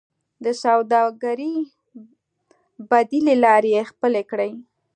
د سوداګرۍ بدیلې لارې خپلې کړئ